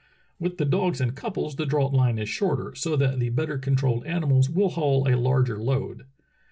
With the dogs in couples the draught line is shorter, so that the better controlled animals will haul a larger load.